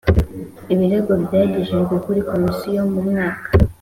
Ibirego byagejejwe kuri Komisiyo mu mwaka